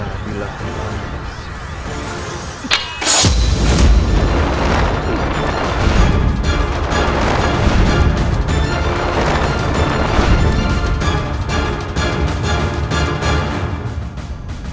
aku akan membunuh